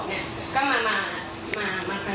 เป็นเรื่องทางที่๒เนี่ยก็มามาข้างซ้าย